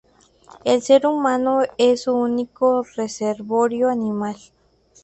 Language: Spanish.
El ser humano es su único reservorio animal.